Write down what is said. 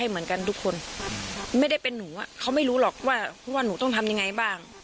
ไม่ได้เป็นหนูอะเขาไม่รู้หรอกว่าหนูต้องทำยังไงบ้าง